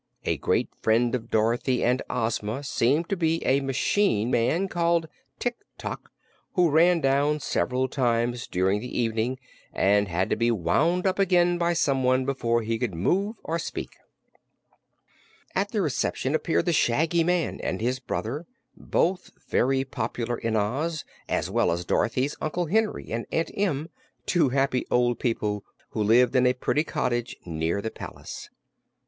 A great friend of Dorothy and Ozma seemed to be a machine man called Tik Tok, who ran down several times during the evening and had to be wound up again by someone before he could move or speak. At the reception appeared the Shaggy Man and his brother, both very popular in Oz, as well as Dorothy's Uncle Henry and Aunt Em, two happy old people who lived in a pretty cottage near the palace.